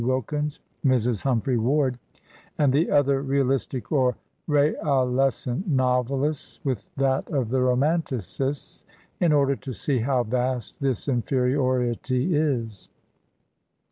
Wilkins, Mrs. Humphry Ward, and the other realistic or realescent novelists with that of the romanticists, in order to see how vast this infe riority is.